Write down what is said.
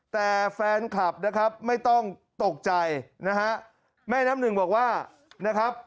แต่แฟนคลับไม่ต้องตกใจแม่น้ำหนึ่งบอกว่า